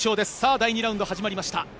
第２ラウンドが始まりました。